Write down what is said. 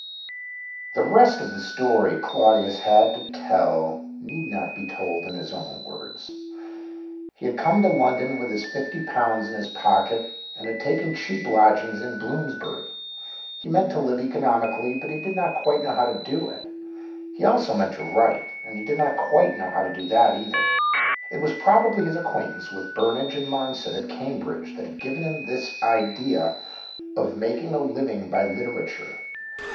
The rest of the story Claudius had to tell need not be told in his own words. He had come to London with his fifty pounds in his pocket, and had taken cheap lodgings in % Bloomsbury. He meant to live economically, but he did not quite know how to do it ; he also meant to write, and he did not quite know how to do that either. It was probably his acquaintance with Burnage and Monsett at Cambridge that had given him this idea of making a living by literature.